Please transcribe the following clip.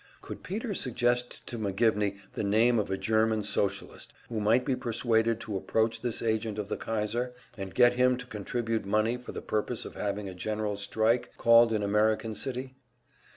Could Peter suggest to McGivney the name of a German Socialist who might be persuaded to approach this agent of the Kaiser, and get him to contribute money for the purpose of having a general strike called in American City?